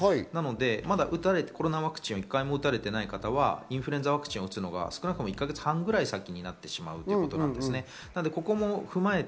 まだコロナワクチンを１回も打たれていない方はインフルエンザワクチンを打つというのが１か月半先になってしまうということです。